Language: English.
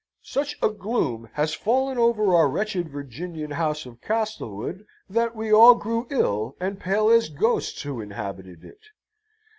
Such a gloom has fallen over our wretched Virginian house of Castlewood, that we all grew ill, and pale as ghosts, who inhabited it.